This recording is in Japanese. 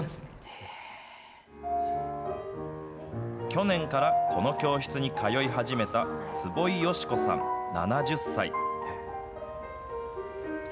去年からこの教室に通い始めた坪井芳子さん７０歳。